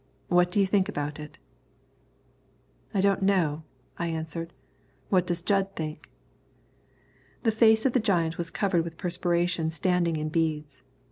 What do you think about it?" "I don't know," I answered; "what does Jud think?" The face of the giant was covered with perspiration standing in beads.